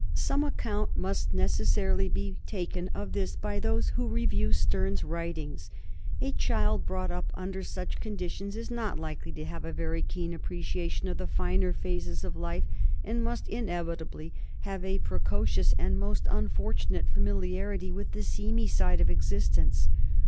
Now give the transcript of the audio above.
Some account must necessarily be taken of this by those who review Sterne's writings. A child brought up under such conditions is not likely to have a ve^ keen appreciation of the finer phases of life, and must inevitably have a precocious and most unfortunate familiarity with the seamy side of exist ence.